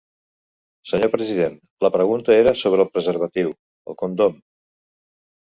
Senyor president, la pregunta era sobre el preservatiu, el condom.